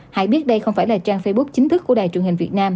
hãy biết đây không phải là trang facebook chính thức của đài truyền hình việt nam